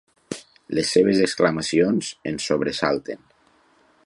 Les seves exclamacions ens sobresalten.